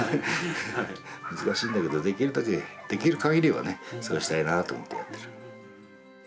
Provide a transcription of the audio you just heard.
難しいんだけどできるだけできる限りはねそうしたいなと思ってやってる。